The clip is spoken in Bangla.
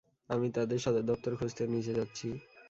আমি তাদের সদর দপ্তর খুঁজতে নিচে যাচ্ছি।